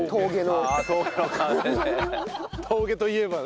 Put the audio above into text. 峠といえばね。